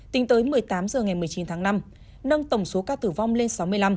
tính tới một mươi tám h ngày một mươi chín tháng năm nâng tổng số ca tử vong lên sáu mươi năm